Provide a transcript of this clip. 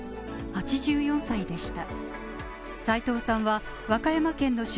８４歳でした。